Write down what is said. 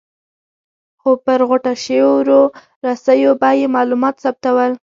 خو پر غوټه شویو رسیو به یې معلومات ثبتول.